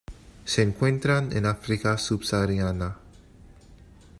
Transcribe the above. Se encuentran en África subsahariana.